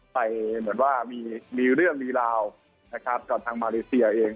ไปเหมือนว่ามีเรื่องมีลาวกับทางมารีเซียเอง